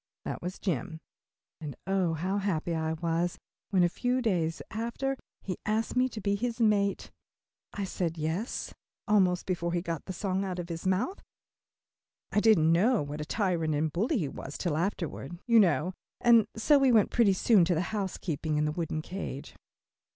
That was Jim, and oh, how happy I was, when, a few days after, he asked me to be his mate. I said "yes," almost before he had got the song out of his mouth I didn't know what a tyrant and bully he was till afterward, you know and so we went pretty soon to housekeeping in the wooden cage.